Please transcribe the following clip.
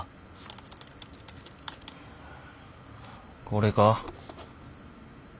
これか。